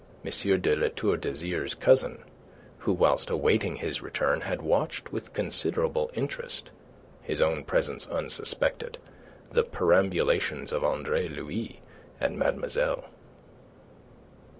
de La Tour d'Azyr's cousin, who whilst awaiting his return had watched with considerable interest his own presence unsuspected the perambulations of Andre Louis and mademoiselle.